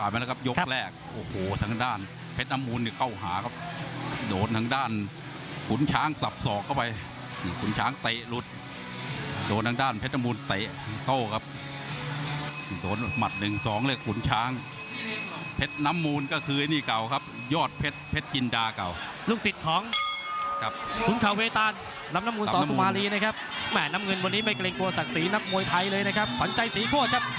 แม่น้ำเงินวันนี้ไม่กลิ่งกลัวศักดิ์ศรีนับมวยไทยเลยนะครับฝันใจสีขวดครับ